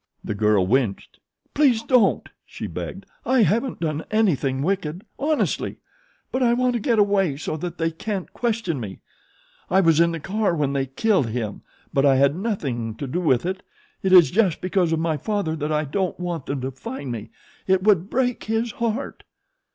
The girl winced. "Please don't," she begged. "I haven't done anything wicked, honestly! But I want to get away so that they can't question me. I was in the car when they killed him; but I had nothing to do with it. It is just because of my father that I don't want them to find me. It would break his heart."